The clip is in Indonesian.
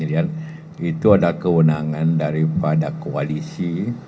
itu ada kewenangan daripada koalisi